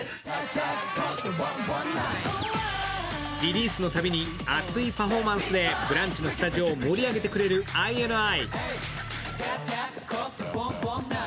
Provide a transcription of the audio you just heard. リリースのたびに熱いパフォーマンスで「ブランチ」のスタジオを盛り上げてくれるＩＮＩ。